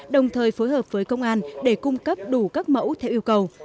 đồng thời phối hợp với công an để cung cấp đủ các mẫu theo yêu cầu